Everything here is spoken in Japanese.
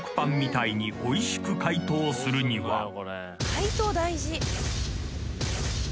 解凍大事。